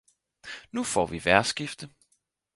Nu får vi vejrskifte